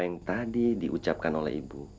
ini diucapkan oleh ibu